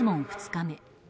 ２日目。